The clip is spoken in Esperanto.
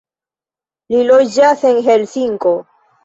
Li loĝas en Helsinko.